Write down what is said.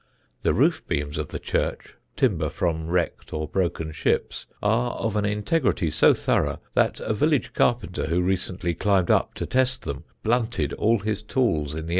The roof beams of the church, timber from wrecked or broken ships, are of an integrity so thorough that a village carpenter who recently climbed up to test them blunted all his tools in the enterprise.